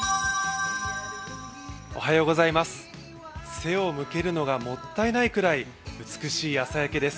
背を向けるのがもったいないくらい美しい朝焼けです。